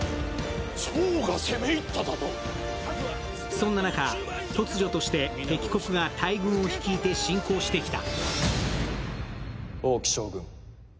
そんな中、突如として敵国が大軍を率いて侵攻してきた。